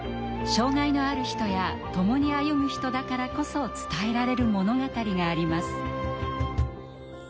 障害のある人や共に歩む人だからこそ伝えられる物語があります。